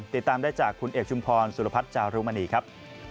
ติดตามได้จากคุณเอกชุมพรสุรพัฒน์จารุมณีครับ